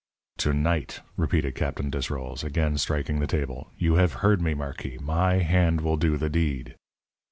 "To night," repeated Captain Desrolles, again striking the table. "You have heard me, marquis; my hand will do the deed."